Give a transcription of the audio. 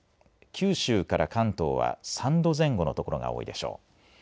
九州から関東は３度前後の所が多いでしょう。